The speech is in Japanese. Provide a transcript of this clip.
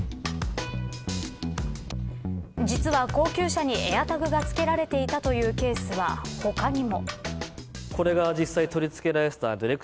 実は、高級車にエアタグが付けられていたというケースは他にも。